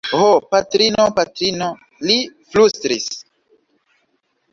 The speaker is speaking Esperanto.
Ho patrino, patrino! li flustris.